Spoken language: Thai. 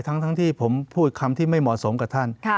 ทั้งที่ผมพูดคำที่ไม่เหมาะสมกับท่าน